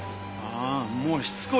あもうしつこい。